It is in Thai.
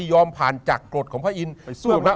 ยอมผ่านจักรดของพระอินทร์